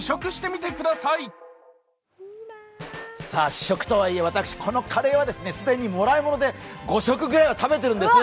試食とはいえ、私、このカレーはですね、既にもらい物で５食ぐらいは食べてるんです！